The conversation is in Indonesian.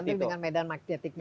tergantung dengan medan magnetiknya